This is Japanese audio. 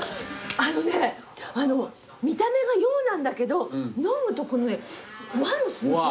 あのう見た目が洋なんだけど飲むとこのね和のスープっぽいの。